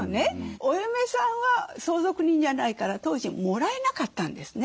お嫁さんは相続人じゃないから当時もらえなかったんですね。